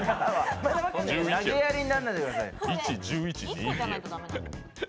投げやりにならないでください。